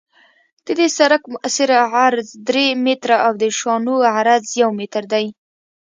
د دې سرک مؤثر عرض درې متره او د شانو عرض یو متر دی